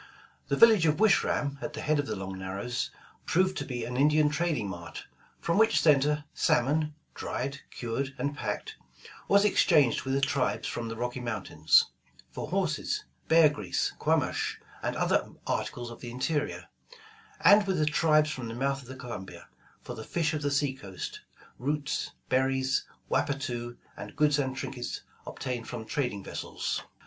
Tlie village of Wish ram at the head of the Long Narrows, proved to be an Indian trading mart, from which center, salmon, — dried, cured, and packed, — was exchanged with the tribes from the Rocky Mountains, for horses, bear grease, quamash, and other articles of the interior ; and with the tribes from the mouth of the Columbia, for the fish of the sea coast, roots, berries, wappatoo, and goods and trinkets obtained from trad ing vessels.